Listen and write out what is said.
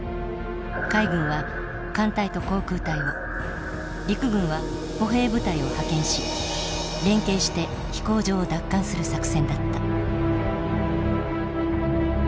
海軍は艦隊と航空隊を陸軍は歩兵部隊を派遣し連携して飛行場を奪還する作戦だった。